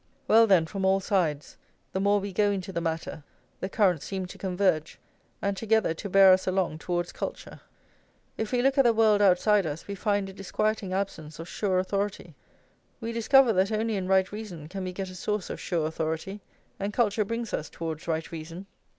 Well, then, from all sides, the more we go into the matter, the currents seem to converge, and together to bear us along towards culture. If we look at the world outside us we find a disquieting absence of sure authority; we discover that only in right reason can we get a source of sure authority, and culture brings us towards right reason.